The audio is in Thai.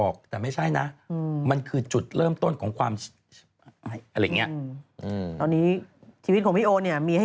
คำพูดหนึ่งที่พี่โอเคยพูดไว้